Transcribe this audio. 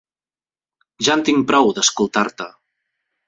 Ja en tinc prou, d'escoltar-te!